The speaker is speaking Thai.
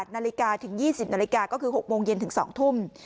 นาฬิกาถึง๒๐นาฬิกาก็คือ๖โมงเย็นถึง๒ทุ่ม